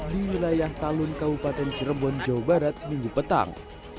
di wilayah talun kabupaten cirebon jawa barat minggu petang